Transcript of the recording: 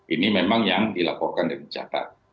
ini memang yang dilaporkan dan mencatat